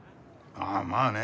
ああまあね。